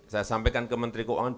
saya sampaikan ke menteri keuangan